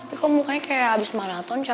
selesain secara jantan ya